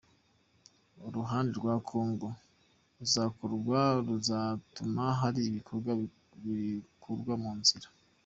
Uruhande rwa Congo ruzakorwa ruzatuma hari ibikorwa bikurwa mu nzira.